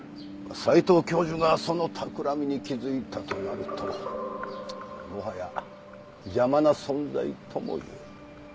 斎藤教授がそのたくらみに気づいたとなるともはや邪魔な存在ともいえる。